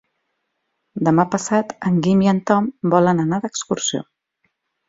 Demà passat en Guim i en Tom volen anar d'excursió.